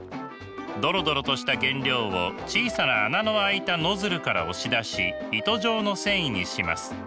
ドロドロとした原料を小さな穴の開いたノズルから押し出し糸状の繊維にします。